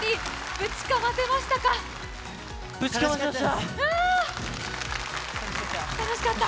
ぶちかましました！